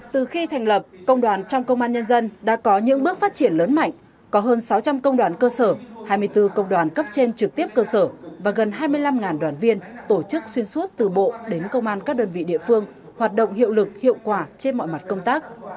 từ khi thành lập công đoàn trong công an nhân dân đã có những bước phát triển lớn mạnh có hơn sáu trăm linh công đoàn cơ sở hai mươi bốn công đoàn cấp trên trực tiếp cơ sở và gần hai mươi năm đoàn viên tổ chức xuyên suốt từ bộ đến công an các đơn vị địa phương hoạt động hiệu lực hiệu quả trên mọi mặt công tác